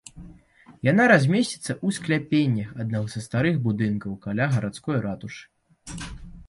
Яна размесціцца ў скляпеннях аднаго са старых будынкаў каля гарадской ратушы.